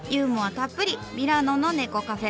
たっぷりミラノの猫カフェ。